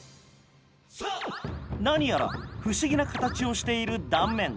何やら不思議な形をしている断面。